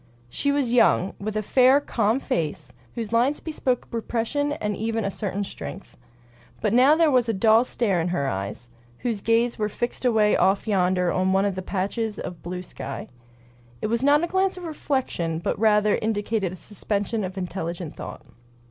She was young, with a fair, calm face, whose lines bespoke repression and even a certain strength. But now there was a dull stare in her eyes, whose gaze was fixed away off yonder on one of those patches of blue sky. It was not a glance of reflection, but rather indicated a suspension of intelligent thought.